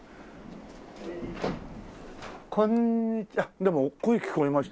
でも声聞こえました。